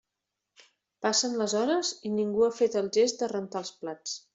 Passen les hores i ningú ha fet el gest de rentar els plats.